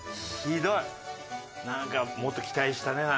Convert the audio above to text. なんかもっと期待したね。